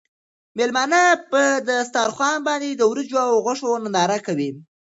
مېلمانه په دسترخوان باندې د وریجو او غوښو ننداره کوي.